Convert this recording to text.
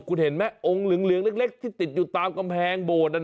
คุณเห็นไหมองค์เหลืองเล็กที่ติดอยู่ตามกำแพงโบดนั้น